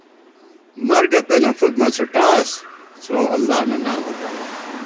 مرگہ پېنہ فُک مہ څُھوٹاس، څو اللہ نہ نامہ گا